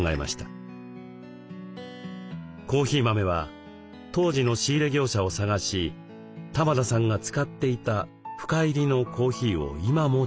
コーヒー豆は当時の仕入れ業者を捜し玉田さんが使っていた深煎りのコーヒーを今も注文。